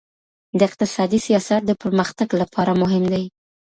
د اقتصادي سیاست د پرمختګ لپاره مهم دی.